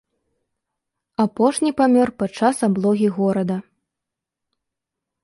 Апошні памёр падчас аблогі горада.